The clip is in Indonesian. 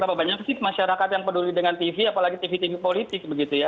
berapa banyak sih masyarakat yang peduli dengan tv apalagi tv tv politik begitu ya